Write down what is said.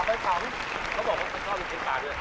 เขาบอกว่าเขาชอบลูกชิ้นปลาด้วย